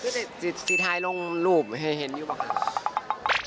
เพื่อควบคุมสิทธิ์ลงรูปให้เห็นหรือเปล่าครับ